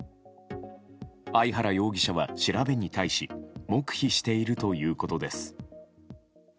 相原容疑者は調べに対し黙秘しているということです。